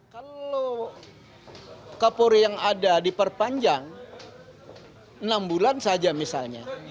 kalau kapolri yang ada diperpanjang enam bulan saja misalnya